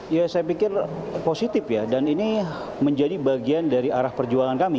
ya saya pikir positif ya dan ini menjadi bagian dari arah perjuangan kami